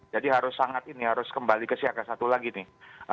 jadi harus sangat ini harus kembali ke siaga satu lagi nih